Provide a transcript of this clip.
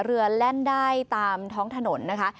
แล่นได้ตามท้องถนนนะคะ